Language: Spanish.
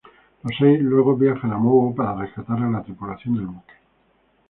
Los seis luego viajan a Mogo para rescatar a la tripulación del buque.